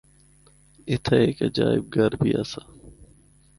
اِتھا ہک ’عجائب گھر‘ بھی آسا۔